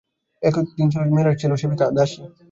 একদিন ছিল যখন মেয়েরা ছিল সেবিকা, দাসী।